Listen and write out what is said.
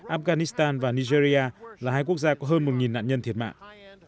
afghanistan và nigeria là hai quốc gia có hơn một nạn nhân thiệt mạng